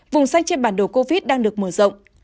vùng xanh trên bản đồ covid đang được mở rộng